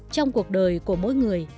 trong cuộc đời của mỗi người